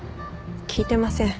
聞いてません。